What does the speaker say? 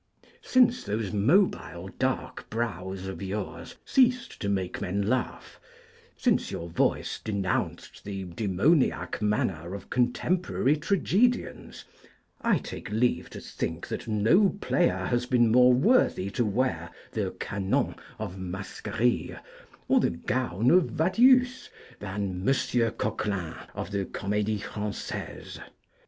Since those mobile dark brows of yours ceased to make men laugh, since your voice denounced the 'demoniac' manner of contemporary tragedians, I take leave to think that no player has been more worthy to wear the canons of Mascarille or the gown of Vadius than M. Coquelin of the Comédie Francaise.